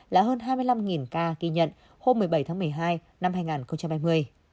là hơn hai mươi năm ca ghi nhận hôm một mươi bảy tháng một mươi hai năm hai nghìn hai mươi